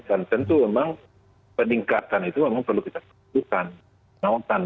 dan tentu memang peningkatan itu memang perlu kita lakukan